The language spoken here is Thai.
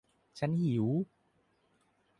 "ฉันหิว !"